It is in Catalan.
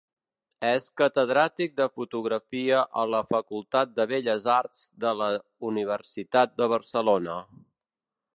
És catedràtic de fotografia a la Facultat de Belles Arts de la Universitat de Barcelona.